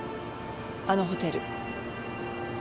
あのホテル。